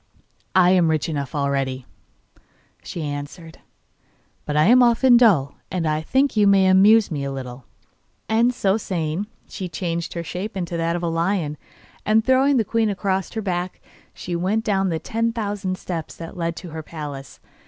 'I am rich enough already,' she answered, 'but I am often dull, and I think you may amuse me a little.' And, so saying, she changed her shape into that of a lion, and throwing the queen across her back, she went down the ten thousand steps that led to her palace.